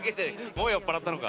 もう酔っ払ったのか？